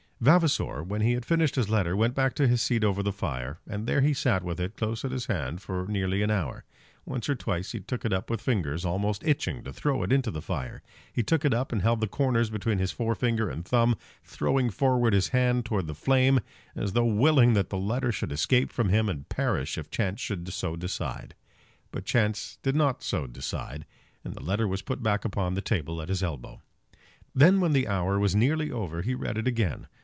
Vavasor, when he had finished his letter, went back to his seat over the fire, and there he sat with it close at his hand for nearly an hour. Once or twice he took it up with fingers almost itching to throw it into the fire. He took it up and held the corners between his forefinger and thumb, throwing forward his hand towards the flame, as though willing that the letter should escape from him and perish if chance should so decide. But chance did not so decide, and the letter was put back upon the table at his elbow. Then when the hour was nearly over he read it again.